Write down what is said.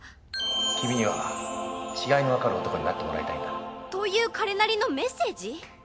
君には違いのわかる男になってもらいという彼なりのメッセージ？